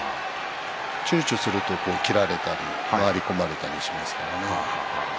ちゅうちょすると切られたり、回り込まれたりしますからね。